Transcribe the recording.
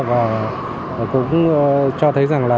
và cũng cho thấy rằng là